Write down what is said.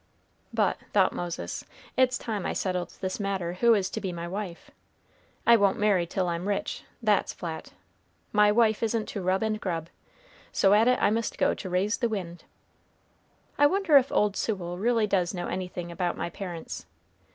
"But," thought Moses, "it's time I settled this matter who is to be my wife. I won't marry till I'm rich, that's flat. My wife isn't to rub and grub. So at it I must go to raise the wind. I wonder if old Sewell really does know anything about my parents.